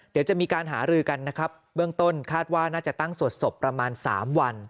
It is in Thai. เดี๋ยวจะมีการหารือกันนะครับเบื้องต้นคาดว่าน่าจะตั้งสวดศพประมาณ๓วัน